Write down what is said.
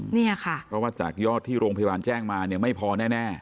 เพราะว่าจากยอดที่โรงพยาบาลแจ้งมาเนี่ยไม่พอแน่